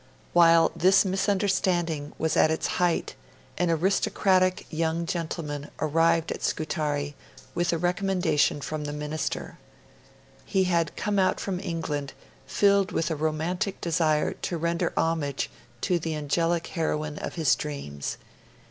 While this misunderstanding was at its height, an aristocratic young gentleman arrived at Scutari with a recommendation from the Minister. He had come out from England filled with a romantic desire to render homage to the angelic heroine of his dreams.